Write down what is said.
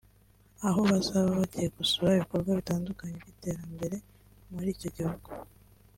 aho bazaba bagiye gusura ibikorwa bitandukanye by’iterambere muri icyo gihugu